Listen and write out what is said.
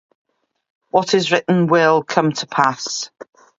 What is written will come to pass.